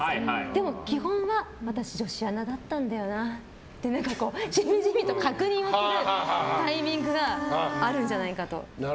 でも、基本は私女子アナだったんだよなってしみじみと確認をするタイミングがあるんじゃないかと。